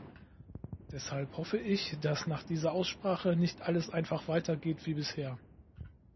Deshalb hoffe ich, dass nach dieser Aussprache nicht alles einfach weitergeht wie bisher.